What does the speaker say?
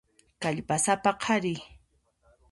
Kallpasapa qhari.